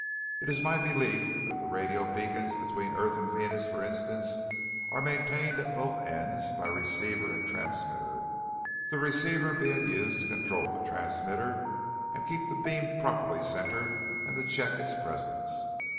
It is my belief that the radio beacons between earth and Venus, for instance, are maintained at both ends by receiver and transmitter, the receiver being used to control the transmitter and keep the beam properly centered and to check its presence.